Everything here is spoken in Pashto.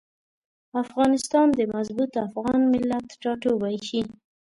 افغانستان د مضبوط افغان ملت ټاټوبی شي.